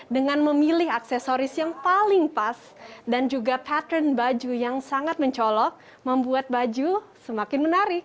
dengan memilih aksesoris yang paling pas dan juga pattern baju yang sangat mencolok membuat baju semakin menarik